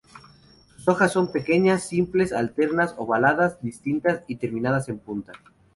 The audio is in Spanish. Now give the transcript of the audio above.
Sus hojas son pequeñas, simples, alternas, ovaladas, dentadas y terminadas en punta.